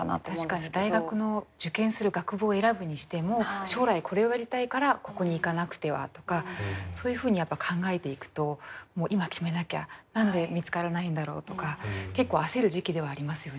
確かに大学の受験する学部を選ぶにしても将来これをやりたいからここに行かなくてはとかそういうふうに考えていくともう今決めなきゃ何で見つからないんだろうとか結構焦る時期ではありますよね。